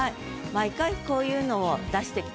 毎回こういうのを出してきてください。